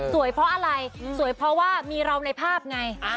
เพราะอะไรสวยเพราะว่ามีเราในภาพไง